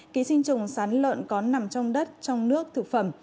ký sinh trùng sán lợn có nằm trong đất trong nước thực phẩm